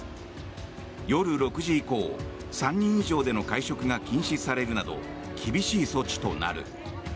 夜６時以降、３人以上での会食が禁止されるなど厳しい措置となる。